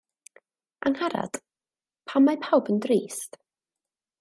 Angharad, pam mae pawb yn drist